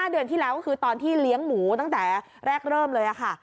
เดือนที่แล้วก็คือตอนที่เลี้ยงหมูตั้งแต่แรกเริ่มเลยค่ะ